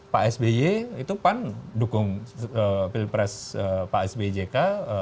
pak sby itu pan dukung pilpres pak sbyjk